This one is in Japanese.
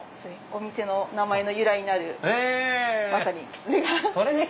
お店の名前の由来になるまさにきつねが。